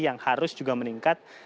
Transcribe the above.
yang harus juga meningkat